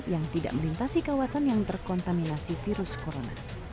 yang tidak melintasi kawasan yang terkontaminasi virus corona